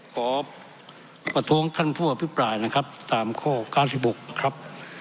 ขอประท้วงท่านผู้อภิปรายนะครับตามข้อ๙๖ครับ